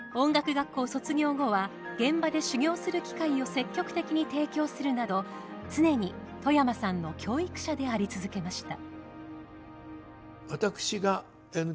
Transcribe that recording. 学校卒業後は現場で修業する機会を積極的に提供するなど常に外山さんの教育者であり続けました。